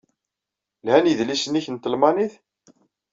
Lhan yedlisen-nnek n talmanit?